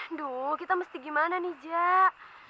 aduh kita mesti gimana nih jak